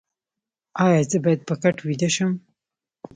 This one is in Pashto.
ایا زه باید په کټ ویده شم؟